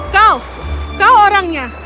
kau kau orangnya